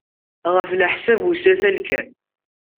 Ɣef leḥsab usatal kan.